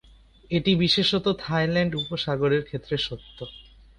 এটি বিশেষত থাইল্যান্ড উপসাগরের ক্ষেত্রে সত্য।